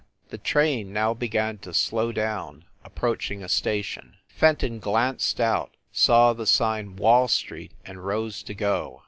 The train now began to slow down, approaching a station. Fenton glanced out, saw the sign "Wall Street" and rose to go.